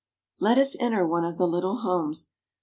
Let us enter one of the little homes